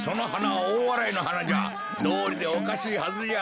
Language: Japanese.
どうりでおかしいはずじゃ。